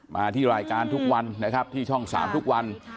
มาที่รายการทุกวันนะครับที่ช่อง๓ทุกวัน